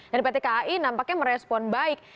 dan pt kai nampaknya merespon baik